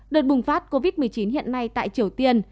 đợt bùng phát covid một mươi chín hiện nay tại triều tiên